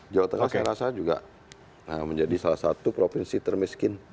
jawa tengah saya rasa juga menjadi salah satu provinsi termiskin